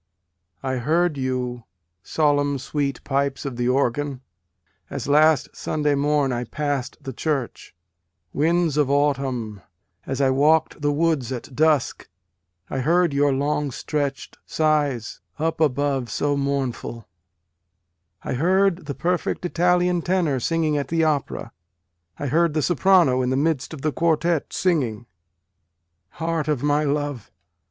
I heard you, solemn sweet pipes of the organ, as last Sunday morn I pass d the church, Winds of autumn, as I walked the woods at dusk, I heard your long stretch d sighs up above so mournful, I heard the perfect Italian tenor singing at the opera, I heard the soprano in the midst of the quartet singing ; Heart of my love